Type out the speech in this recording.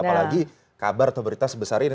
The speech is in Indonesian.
apalagi kabar atau berita sebesar ini